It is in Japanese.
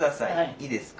いいですか？